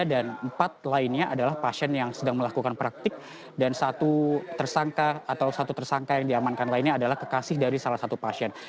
dan empat lainnya adalah pasien yang sedang melakukan praktik dan satu tersangka atau satu tersangka yang diamankan lainnya adalah kekasih dari salah satu pasien